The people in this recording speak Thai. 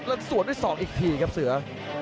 แล้วสวนด้วยศอกอีกทีครับเสือ